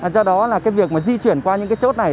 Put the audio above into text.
do đó việc di chuyển qua những chốt này